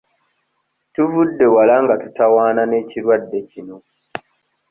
Tuvudde wala nga tutawaana n'ekirwadde kino.